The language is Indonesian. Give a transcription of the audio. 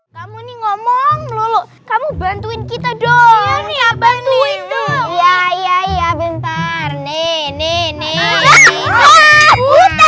kamu nih ngomong lulu kamu bantuin kita dong ya iya bentar nenek